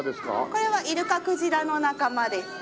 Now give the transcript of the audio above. これはイルカクジラの仲間ですね。